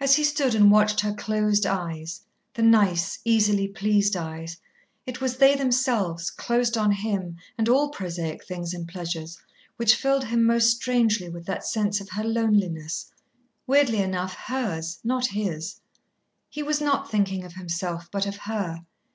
As he stood and watched her closed eyes, the nice, easily pleased eyes, it was they themselves, closed on him and all prosaic things and pleasures, which filled him most strangely with that sense of her loneliness, weirdly enough, hers, not his. He was not thinking of himself but of her.